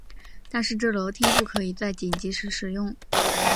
但是这楼梯不可以在紧急时使用。